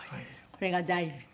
これが大事。